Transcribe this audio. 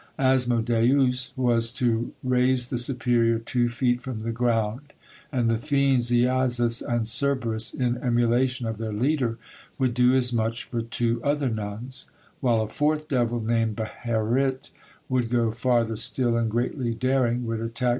Asmodeus was to raise the superior two feet from the ground, and the fiends Eazas and Cerberus, in emulation of their leader, would do as much for two other nuns; while a fourth devil, named Beherit, would go farther still, and, greatly daring, would attack M.